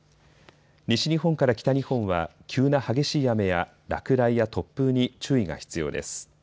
西日本から北日本は急な激しい雨や落雷や突風に注意が必要です。